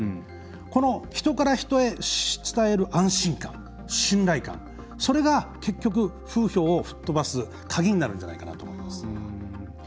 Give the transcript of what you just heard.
この人から人へ伝える安心感信頼感、それが結局風評を吹っ飛ばす鍵になるんじゃないかなと思います。